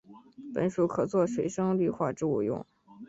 本属可做水生绿化植物用。